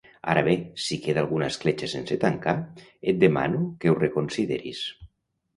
Ara bé, si queda alguna escletxa sense tancar, et demano que ho reconsideris.